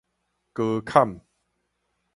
高坎